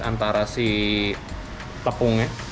antara si tepungnya